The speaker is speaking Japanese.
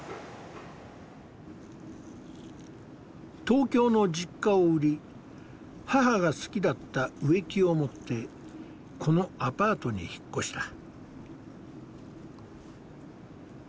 東京の実家を売り母が好きだった植木を持ってこのアパートに引っ越した。